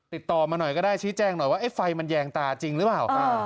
ติดต่อมาหน่อยก็ได้ชี้แจ้งหน่อยว่าไฟมันแยงตาจริงหรือเปล่า